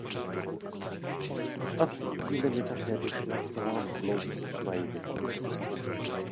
A v tu chvíli mi také došla celá má hloupost a naivita.